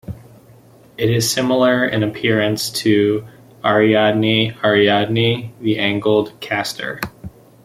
It is similar in appearance to "Ariadne ariadne", the angled castor.